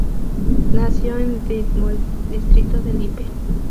Nació en Detmold, distrito de Lippe.